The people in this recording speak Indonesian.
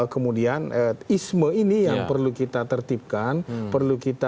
kemudian isme ini yang perlu kita tertipkan perlu kita